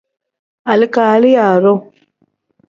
Alikariya iru.